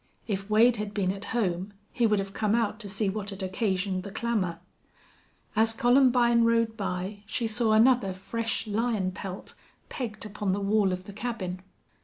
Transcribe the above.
If Wade had been at home he would have come out to see what had occasioned the clamor. As Columbine rode by she saw another fresh lion pelt pegged upon the wall of the cabin.